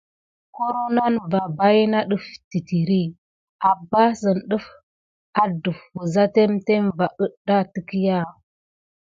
Koro nane va baïna ɗəf titiri, ambassəne adəf wəza témtém va ədda təkya.